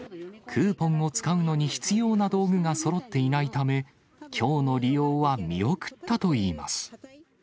クーポンを使うのに必要な道具がそろっていないため、きょうの利用は見送ったといいます。